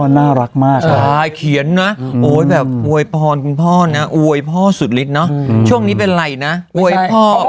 หน้ารักมากทีนะหารข้างบนความหวังใช่ไหมค่ะ